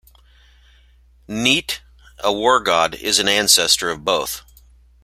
Neit, a war god, is an ancestor of both.